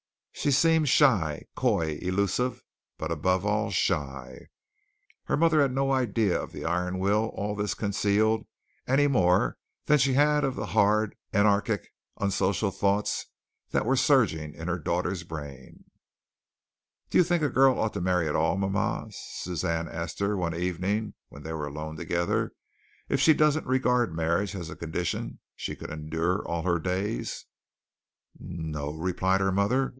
She seemed shy, coy, elusive, but above all, shy. Her mother had no idea of the iron will all this concealed any more than she had of the hard anarchic, unsocial thoughts that were surging in her daughter's brain. "Do you think a girl ought to marry at all, mama?" Suzanne asked her one evening when they were alone together, "if she doesn't regard marriage as a condition she could endure all her days?" "No o," replied her mother.